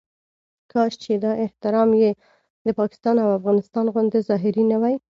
کاش چې دا احترام یې د پاکستان او افغانستان غوندې ظاهري نه وي.